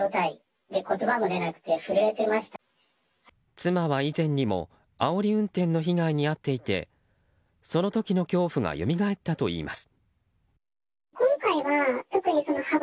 妻は以前にもあおり運転の被害に遭っていてその時の恐怖がよみがえったといいます。